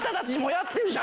やってる！